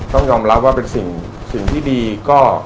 ต้องยอมรับว่าเป็นสิ่งที่ดีก็